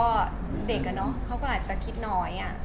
ก็เด็กกับน้องเขาก็อาจจะคิดน้อยอ่ะ